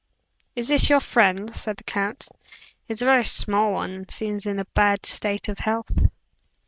"Is this your friend?" asked the count. "He is a very small one, and seems in a bad state of health."